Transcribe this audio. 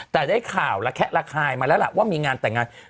แต่ได้ข่าวระแคะระคายมาแล้วล่ะว่ามีงานแต่งงาน